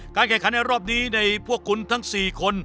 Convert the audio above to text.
แข่งขันในรอบนี้ในพวกคุณทั้ง๔คน